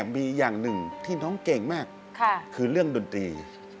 มีอย่างหนึ่งที่น้องเก่งมากคือเรื่องดนตรี